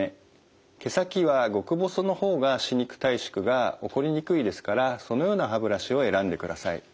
毛先は極細の方が歯肉退縮が起こりにくいですからそのような歯ブラシを選んでください。